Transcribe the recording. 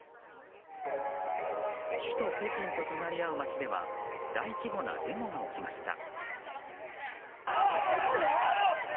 首都・北京と隣り合う町では大規模なデモが起きました。